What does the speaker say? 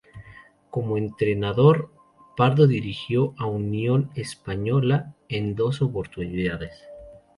Como entrenador, Pardo dirigió a Unión Española en dos oportunidades.